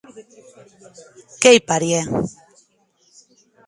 Qu'ei parièr.